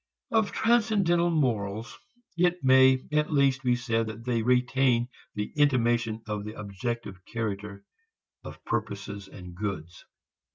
Of transcendental morals, it may at least be said that they retain the intimation of the objective character of purposes and goods.